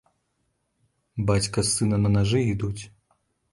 Бацька з сынам на нажы ідуць.